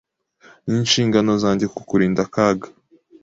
Ninshingano zanjye kukurinda akaga.